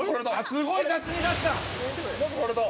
◆すごい雑に出した！